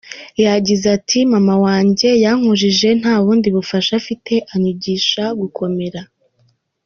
Yagize ati "Mama wanjye yankujije nta bundi bufasha afite anyigisha gukomera.